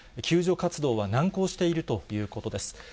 救助活動は難航しているということです。